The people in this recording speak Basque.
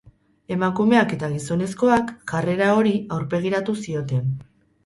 Emakumeak eta gizonezkoak jarrera hori aurpegiratu zioten.